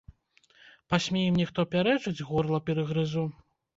Пасмей мне хто пярэчыць, горла перагрызу.